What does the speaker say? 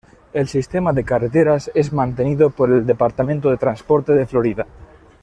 El sistema de carreteras es mantenido por el Departamento de Transporte de Florida.